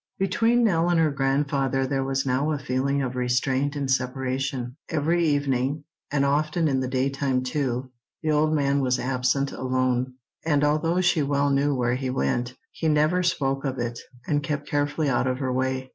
* Between Nell and her grandfather there was now a feeling of restraint and separation. Every evening, and often in the daytime too, the old man was absent alone; and although she well knew where he went, he never spoke of it, and kept carefully out of her way.